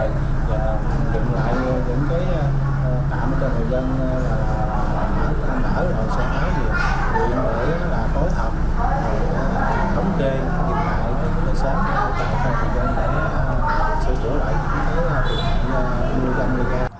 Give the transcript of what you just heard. các người dân cứ đi dậy và đừng lại đứng kế tạm cho người dân